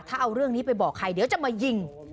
ถ้าเอาเรื่องนี้ไปบอกใครเดี๋ยวจะมายิง